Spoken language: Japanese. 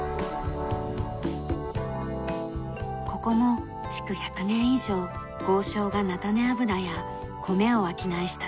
ここも築１００年以上豪商が菜種油や米を商いした建物でした。